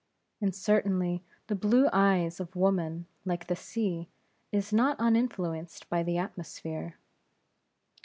And certainly, the blue eye of woman, like the sea, is not uninfluenced by the atmosphere.